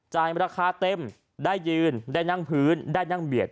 ราคาเต็มได้ยืนได้นั่งพื้นได้นั่งเบียด